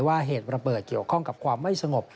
เหตุระเบิดเกี่ยวข้องกับความไม่สงบ